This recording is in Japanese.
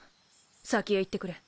先へ行ってくれ。